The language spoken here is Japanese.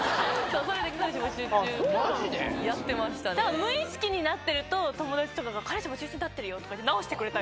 無意識になってると、友達とかが彼氏募集中になってるよって直してくれたり。